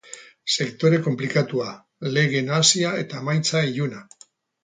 Sektore konplikatua, lege nahasia eta emaitza iluna.